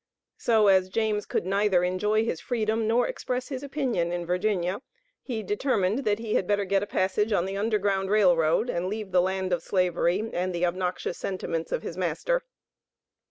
So as James could neither enjoy his freedom nor express his opinion in Virginia, he determined, that he had better get a passage on the Underground Rail Road, and leave the land of Slavery and the obnoxious sentiments of his master.